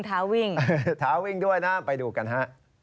ท้าวิ่งด้วยนะไปดูกันฮะ